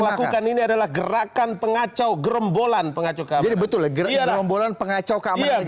lakukan ini adalah gerakan pengacau gerem bolan pengacau kami betul gerak bolan pengacau kami